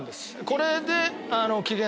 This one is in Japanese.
これで。